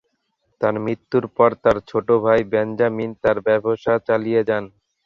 তার মৃত্যুর পর তার ছোট ভাই বেঞ্জামিন তার ব্যবসা চালিয়ে যান।